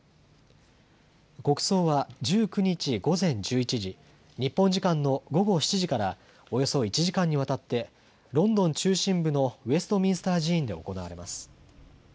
国葬は１９日午前１１時、日本時間の午後７時からおよそ１時間にわたってロンドン中心部のウェストミンスター寺院で行われます。